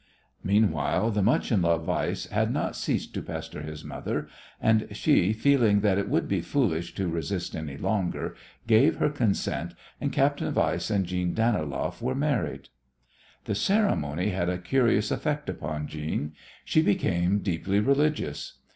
Meanwhile, the much in love Weiss had not ceased to pester his mother, and she, feeling that it would be foolish to resist any longer, gave her consent, and Captain Weiss and Jeanne Daniloff were married. The ceremony had a curious effect upon Jeanne. She became deeply religious.